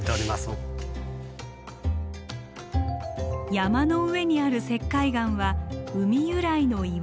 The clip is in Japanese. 山の上にある石灰岩は海由来の岩。